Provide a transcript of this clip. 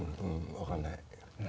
分かんない。